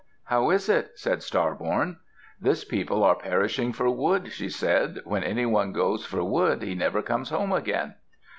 "How is it?" said Star born. "This people are perishing for wood," she said; "when any one goes for wood, he never comes home again."